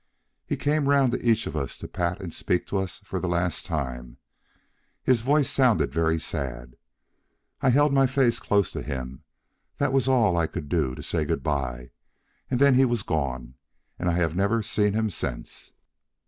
He came round to each of us to pat and speak to us for the last time; his voice sounded very sad. I held my face close to him; that was all I could do to say good bye; and then he was gone, and I have never seen him since.